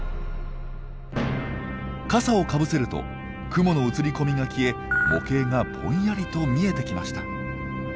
傘をかぶせると雲の映り込みが消え模型がぼんやりと見えてきました。